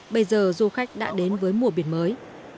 bây giờ du khách đã đến với mùa biển mới